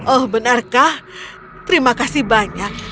oh benarkah terima kasih banyak